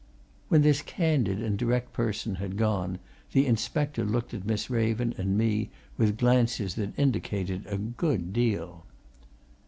When this candid and direct person had gone, the inspector looked at Miss Raven and me with glances that indicated a good deal.